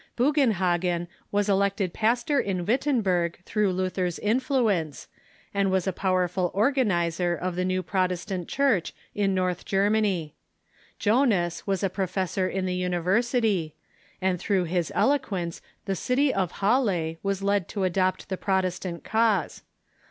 Bugenhagen was elected pastor in Wittenberg through Luther's influence, and was a powerful organizer of the new Protestant Church GERMAN SWITZERLAND 233 in North Germany. Jonas was a professor in the university, and through his eloquence the city of Halle was led to adopt the Protestant cause.